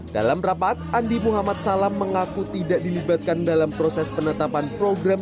dalam rapat andi muhammad salam mengaku tidak dilibatkan dalam proses penetapan program